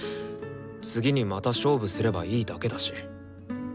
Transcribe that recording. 次にまた勝負すればいいだけだし。